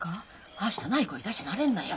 はしたない声出しなれんなよ！